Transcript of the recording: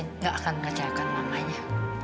nggak akan ngacaukan mamanya